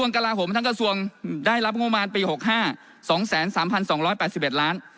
กระทรวงได้รับงบประมาณปี๑๙๖๕๒๓๒๘๑ล้าน